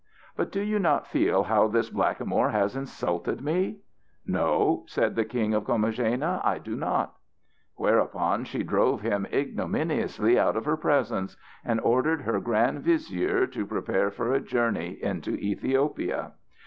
"But do you not feel how this blackamoor has insulted me?" "No," said the King of Comagena, "I do not." Whereupon she drove him ignominiously out of her presence, and ordered her grand vizier to prepare for a journey into Ethiopia.